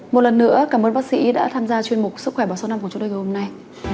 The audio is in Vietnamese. một lần nữa cảm ơn bác sĩ đã tham gia chuyên mục sức khỏe báo số năm của chúng tôi ngày hôm nay